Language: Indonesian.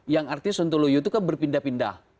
yang artinya sontoloyo itu kan berpindah pindah